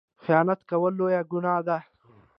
خیانت کول لویه ګناه ده